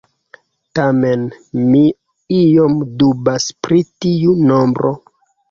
Tamen mi iom dubas pri tiu nombro.